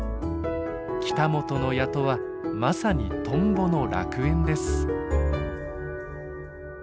北本の谷戸はまさにトンボの楽園です。